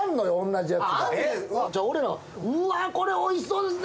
じゃあ俺ら、うわ、これおいしそうですね。